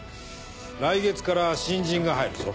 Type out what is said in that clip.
来月から新人が入るぞ。